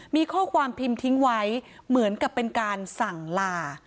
มีข้อความพิมพ์ทิ้งไว้เหมือนกับเป็นการสั่งลา